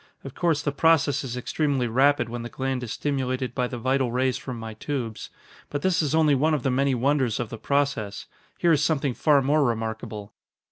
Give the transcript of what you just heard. Of course, the process is extremely rapid when the gland is stimulated by the vital rays from my tubes. But this is only one of the many wonders of the process. Here is something far more remarkable."